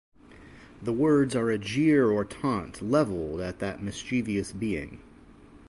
The words are a jeer or taunt leveled at that mischievous being.